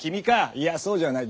いやそうじゃない。